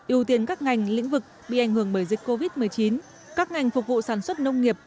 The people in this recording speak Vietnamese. ưu tiên các ngành lĩnh vực bị ảnh hưởng bởi dịch covid một mươi chín các ngành phục vụ sản xuất nông nghiệp